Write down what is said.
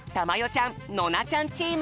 ちゃんノナちゃんチーム！